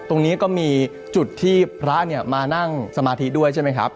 ตรงนี้ก็มีจุดที่พระเนี่ยมานั่งสมาธิด้วยใช่ไหมครับ